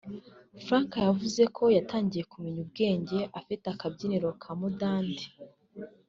Frank yavuze ko yatangiye kumenya ubwenge afite akabyiniriro ka Mudandi